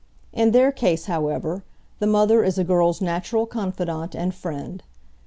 In their case, however, the mother is a girl's natural confidant and friend.